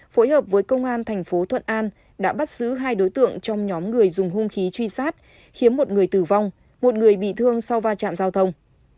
phối hợp với công an thành phố thuận an đã bắt giữ hai đối tượng trong nhóm người dùng hung khí truy sát khiến một người tử vong một người bị thương sau va chạm giao thông